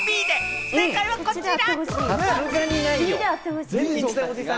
正解はこちら。